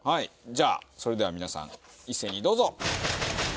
じゃあそれでは皆さん一斉にどうぞ！